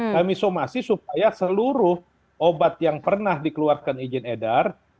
kami somasi supaya seluruh obat yang pernah dikeluarkan izin edar